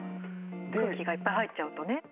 空気がいっぱい入っちゃうとね。